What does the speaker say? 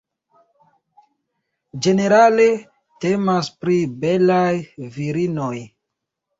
Ĝenerale temas pri belaj virinoj.